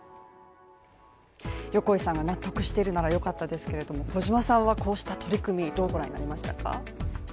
横井さんが納得しているならよかったですが、小島さんはこうした取り組み、どう御覧になりましたか？